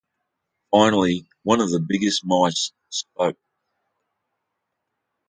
Finally one of the biggest mice spoke.